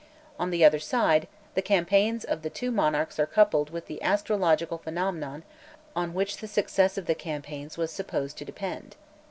On the other side, the campaigns of the two monarchs are coupled with the astrological phenomena on which the success of the campaigns was supposed to depend.